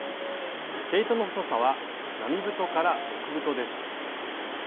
毛糸の太さは並太極太です。